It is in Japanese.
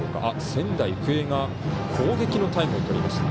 仙台育英が攻撃のタイムをとりました。